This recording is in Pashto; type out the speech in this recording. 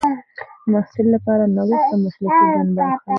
د محصل لپاره نوښت د مسلکي ژوند برخه ده.